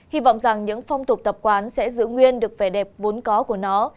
hy vọng rằng những phong tục tập quán sẽ giữ nguyên được vẻ đẹp vốn có của nó